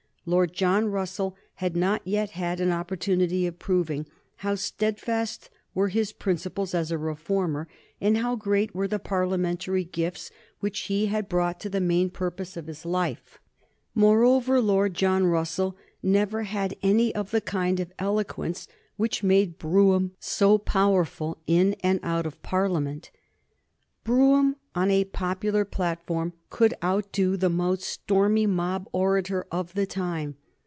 Lord John Russell had not yet had an opportunity of proving how steadfast were his principles as a reformer, and how great were the Parliamentary gifts which he had brought to the main purpose of his life. Moreover, Lord John Russell never had any of the kind of eloquence which made Brougham so powerful in and out of Parliament. Brougham on a popular platform could outdo the most stormy mob orator of the time.